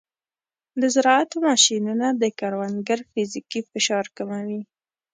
د زراعت ماشینونه د کروندګرو فزیکي فشار کموي.